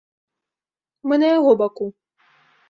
Мы на яго баку.